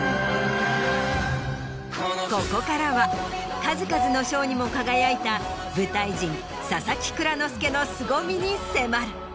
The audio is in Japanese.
ここからは数々の賞にも輝いた舞台人佐々木蔵之介のすごみに迫る。